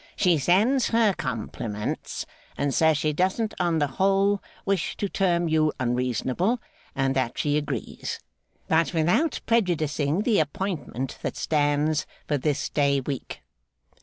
'She sends her compliments, and says she doesn't on the whole wish to term you unreasonable, and that she agrees. But without prejudicing the appointment that stands for this day week.